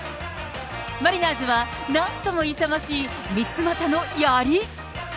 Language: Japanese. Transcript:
マリナーズは、なんとも勇ましい、三つ又のやり。